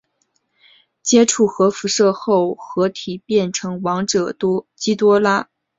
接触核辐射后合体变成王者基多拉。